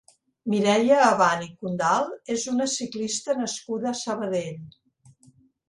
Mireia Abant i Condal és una ciclista nascuda a Sabadell.